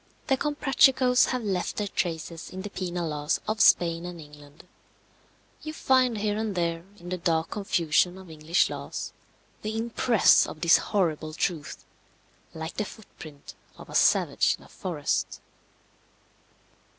The Comprachicos have left their traces in the penal laws of Spain and England. You find here and there in the dark confusion of English laws the impress of this horrible truth, like the foot print of a savage in a forest.